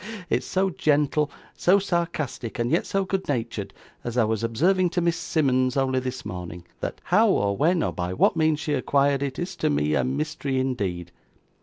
It is so gentle, so sarcastic, and yet so good natured (as I was observing to Miss Simmonds only this morning), that how, or when, or by what means she acquired it, is to me a mystery indeed."